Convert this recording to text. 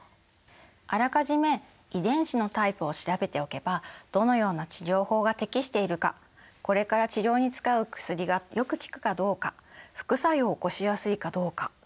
あらかじめ遺伝子のタイプを調べておけばどのような治療法が適しているかこれから治療に使う薬がよく効くかどうか副作用を起こしやすいかどうかが予測できます。